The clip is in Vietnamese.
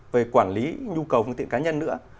về quản lý nhu cầu phương tiện cá nhân nữa